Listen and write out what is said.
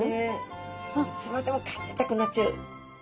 いつまでもかんでいたくなっちゃう。